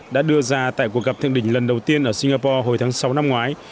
đã đưa ra tại cuộc gặp thượng đỉnh lần đầu tiên ở singapore hồi tháng sáu năm ngoái